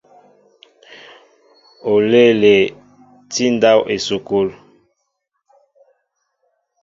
Oléele tí ndáw esukul.